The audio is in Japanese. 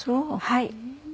はい。